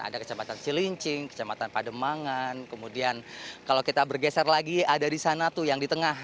ada kecamatan cilincing kecamatan pademangan kemudian kalau kita bergeser lagi ada di sana tuh yang di tengah